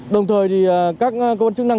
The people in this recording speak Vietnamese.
đồng thời các cơ quan chức năng